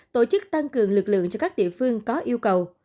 tổ chức tăng cường lực lượng cho các địa phương có yêu cầu